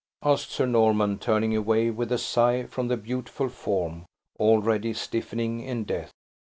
asked Sir Norman, turning away, with a sigh, from the beautiful form already stiffening in death.